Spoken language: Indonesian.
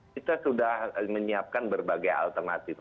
kita sudah menyiapkan berbagai alternatif